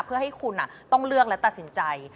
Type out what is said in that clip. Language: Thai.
เพื่อให้คุณต้องเลือกและตัดสินใจ